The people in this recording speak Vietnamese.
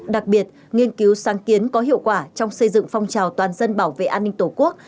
đặc biệt nghiên cứu sáng kiến có hiệu quả trong xây dựng phong trào toàn dân bảo vệ an ninh tổ quốc